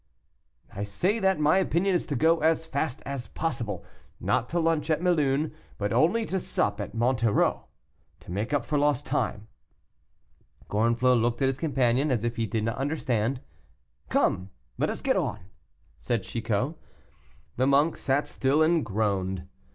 "I say, that my opinion is to go as fast as possible; not to lunch at Mélun, but only to sup at Monterau, to make up for lost time." Gorenflot looked at his companion as if he did not understand. "Come, let us get on," said Chicot. The monk sat still and groaned.